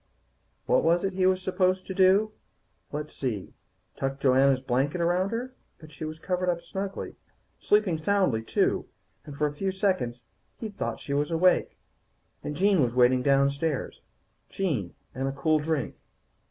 What was it he was supposed to do? Let's see Tuck Joanna's blanket around her. But she was covered up snugly. Sleeping soundly, too, and for a few seconds he'd thought she was awake. And Jean was waiting downstairs, Jean and a cool drink.